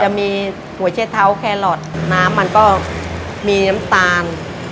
จะมีหัวเช็ดเท้าแครอทน้ำมันก็มีน้ำตาล